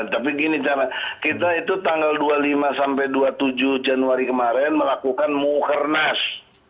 tapi gini cara kita itu tanggal dua puluh lima sampai dua puluh tujuh januari kemarin melakukan mukernas